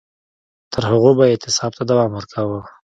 تر هغو به یې اعتصاب ته دوام ورکاوه.